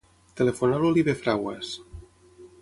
Telefona a l'Oliver Fraguas.